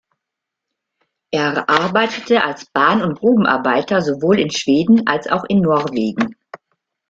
Er arbeitete als Bahn- und Grubenarbeiter sowohl in Schweden als auch in Norwegen.